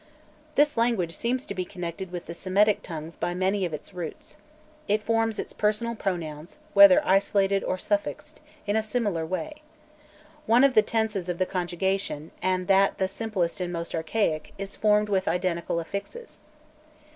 This language seems to be connected with the Semitic tongues by many of its roots. It forms its personal pronouns, whether isolated or suffixed, in a similar way. One of the tenses of the conjugation, and that the simplest and most archaic, is formed with identical affixes.